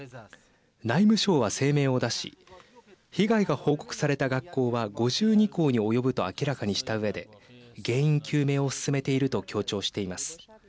内務省は声明を出し被害が報告された学校は５２校に及ぶと明らかにしたうえで原因究明を進めていると強調しています。